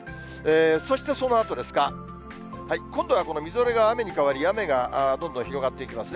そしてそのあとですが、今度はこのみぞれが雨に変わり、雨がどんどん広がっていきますね。